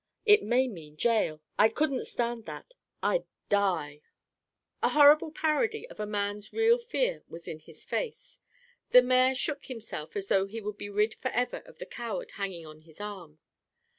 It may mean jail. I couldn't stand that. I'd die." A horrible parody of a man's real fear was in his face. The mayor shook himself as though he would be rid forever of the coward hanging on his arm.